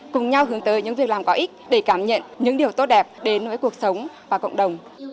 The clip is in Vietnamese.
cùng nhau hướng tới những việc làm có ích để cảm nhận những điều tốt đẹp đến với cuộc sống và cộng đồng